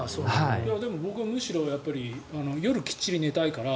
僕はむしろ、夜きっちり寝たいから